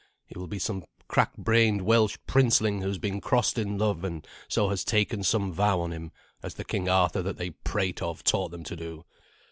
He will be some crack brained Welsh princeling who has been crossed in love, and so has taken some vow on him, as the King Arthur that they prate of taught them to do.